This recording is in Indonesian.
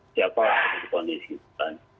siapa yang dikondisikan